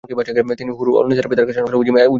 তিনি হুর-উল-নিসার পিতার শাসনকালে উজিরে আজম ছিলেন।